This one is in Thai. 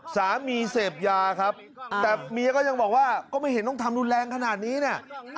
สามีเสพยาครับแต่เมียก็ยังบอกว่าก็ไม่เห็นต้องทำรุนแรงขนาดนี้เนี่ย